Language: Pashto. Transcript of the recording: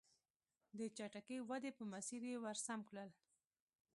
د چټکې ودې په مسیر یې ور سم کړل.